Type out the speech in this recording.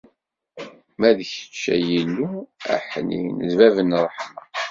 Ma d kečč a Illu aḥnin, d bab n ṛṛeḥma.